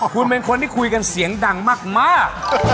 คุณเป็นคนที่คุยกันเสียงดังมาก